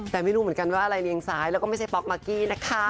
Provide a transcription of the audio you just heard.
แต่ไม่รู้เหมือนกันว่าอะไรเรียงซ้ายแล้วก็ไม่ใช่ป๊อกมากกี้นะคะ